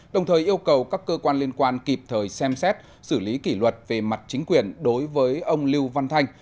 đồng thời yêu cầu các cơ quan liên quan kịp thời xem xét xử lý kỷ luật về mặt chính quyền đối với ông lưu văn thanh